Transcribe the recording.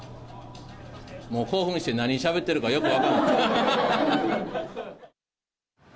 もう興奮して、何しゃべってるかよく分かんないです。